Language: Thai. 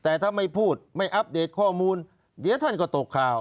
แต่ถ้าไม่พูดไม่อัปเดตข้อมูลเดี๋ยวท่านก็ตกข่าว